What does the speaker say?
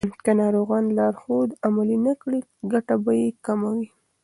که ناروغان لارښود عملي نه کړي، ګټه به یې کمه وي.